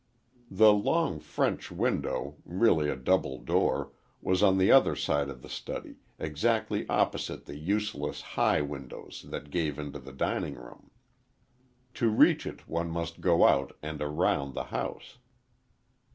The long French window—really a double door—was on the other side of the study, exactly opposite the useless high windows that gave into the dining room. To reach it one must go out and around the house.